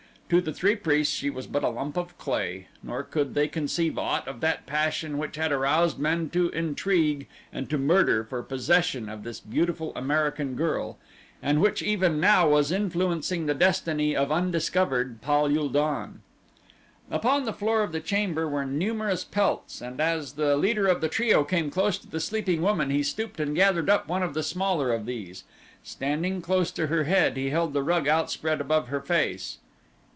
To the three priests she was but a lump of clay, nor could they conceive aught of that passion which had aroused men to intrigue and to murder for possession of this beautiful American girl, and which even now was influencing the destiny of undiscovered Pal ul don. Upon the floor of the chamber were numerous pelts and as the leader of the trio came close to the sleeping woman he stooped and gathered up one of the smaller of these. Standing close to her head he held the rug outspread above her face.